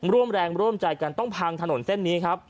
ร่วมแรงร่วมใจกันต้องพังถนนเส้นนี้ครับ